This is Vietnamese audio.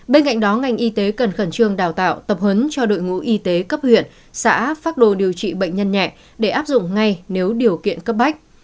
bên cạnh đó ngành y tế cần khẩn trương đào tạo tập huấn cho đội ngũ y tế cấp huyện xã phác đồ điều trị bệnh nhân nhẹ để áp dụng ngay nếu điều kiện cấp bách